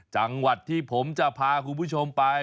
จังหวัดที่ผมจะพาคุณผู้ชมไป